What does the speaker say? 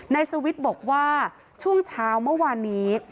สวิทย์บอกว่าช่วงเช้าเมื่อวานนี้